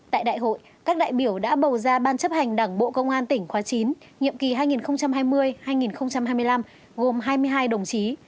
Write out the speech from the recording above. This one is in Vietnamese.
tại đại hội các đại biểu đã bầu ra ban chấp hành đảng bộ công an tỉnh khóa chín nhiệm kỳ hai nghìn hai mươi hai nghìn hai mươi năm gồm hai mươi hai đồng chí